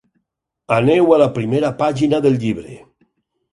Aneu a la primera pàgina del llibre.